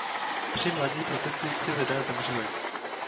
Tři mladí protestující lidé zemřeli.